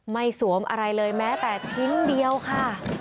สวมอะไรเลยแม้แต่ชิ้นเดียวค่ะ